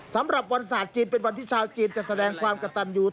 สำหรับวันศาสตร์จีนเป็นวันที่ชาวจีนจะแสดงความกระตันอยู่